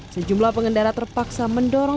sejumlah pengendara terpaksa mendorong